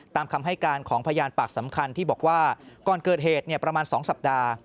ตามคำให้การของพยานปากสำคัญที่บอกว่าก่อนเกิดเหตุประมาณ๒สัปดาห์